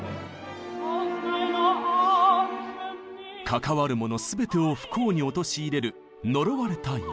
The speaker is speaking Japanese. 関わる者全てを不幸に陥れる呪われた「指環」。